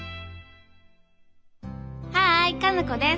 ハイ佳奈子です。